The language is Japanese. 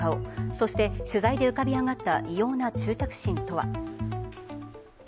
そして取材で浮かび上がった異様な執着心とは。